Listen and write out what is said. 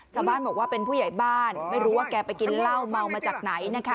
ชาวบ้านบอกว่าเป็นผู้ใหญ่บ้านไม่รู้ว่าแกไปกินเหล้าเมามาจากไหนนะคะ